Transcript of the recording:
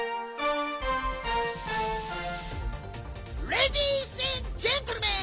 レディースエンドジェントルメン！